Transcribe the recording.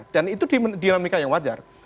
dan itu dinamika yang wajar